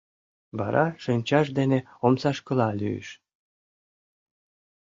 Вара шинчаж дене омсашкыла лӱйыш.